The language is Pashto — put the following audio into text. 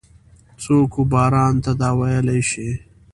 څوک وباران ته دا ویلای شي؟